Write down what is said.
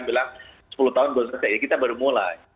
bilang sepuluh tahun belum selesai ya kita baru mulai